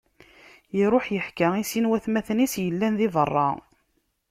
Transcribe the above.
Iṛuḥ iḥka i sin n watmaten-is yellan di beṛṛa.